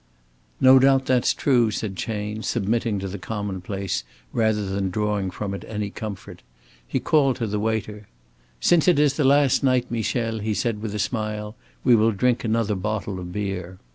"No doubt that's true," said Chayne, submitting to the commonplace, rather than drawing from it any comfort. He called to the waiter. "Since it is the last night, Michel," he said, with a smile, "we will drink another bottle of beer."